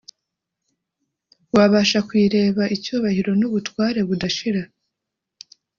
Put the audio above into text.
wabasha kuyireba icyubahiro n ubutware budashira